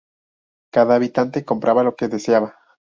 Cada habitante compraba lo que deseaba.